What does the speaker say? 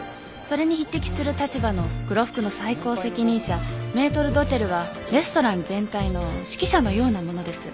それに匹敵する立場の黒服の最高責任者メートル・ドテルはレストラン全体の指揮者のようなものです。